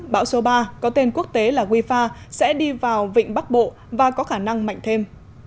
bão số ba có tên quốc tế là wifa sẽ đi vào vịnh bắc bộ và có khả năng mạnh thêm